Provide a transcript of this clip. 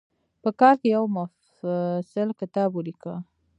په کال کې یو مفصل کتاب ولیکه.